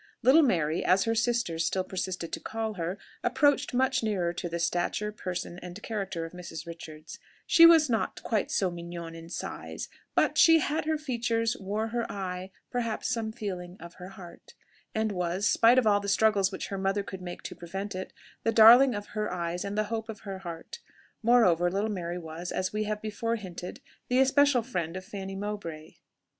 Little Mary, as her sisters still persisted to call her, approached much nearer to the stature, person, and character of Mrs. Richards; she was not quite so mignonne in size, but she "Had her features, wore her eye, Perhaps some feeling of her heart," and was, spite of all the struggles which her mother could make to prevent it, the darling of her eyes and the hope of her heart. Moreover, little Mary was, as we have before hinted, the especial friend of Fanny Mowbray.